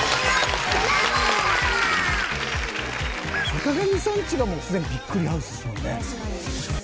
坂上さん家がもうすでにびっくりハウスですもんね。